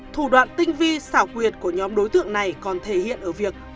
thủ đoạn tinh vi xảo quyệt của nhóm đối tượng này còn thể hiện ở việc